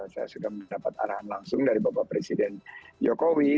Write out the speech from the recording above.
saya sudah mendapat arahan langsung dari bapak presiden jokowi